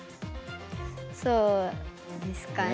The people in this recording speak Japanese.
そうですかね？